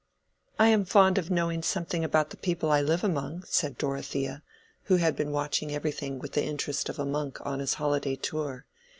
"I am fond of knowing something about the people I live among," said Dorothea, who had been watching everything with the interest of a monk on his holiday tour.